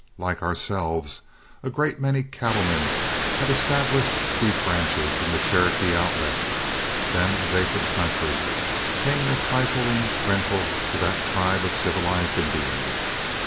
Like ourselves, a great many cattlemen had established beef ranches in the Cherokee Outlet, then a vacant country, paying a trifling rental to that tribe of civilized Indians.